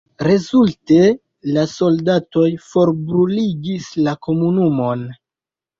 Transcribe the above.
Rezulte la soldatoj forbruligis la komunumon.